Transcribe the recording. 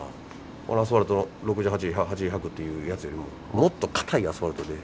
このアスファルトの６０−８０８０−１００っていうやつよりももっと硬いアスファルトで。